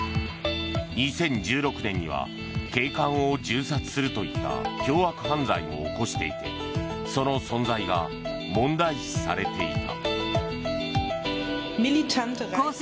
２０１６年には警官を銃殺するといった凶悪犯罪も起こしていてその存在が問題視されていた。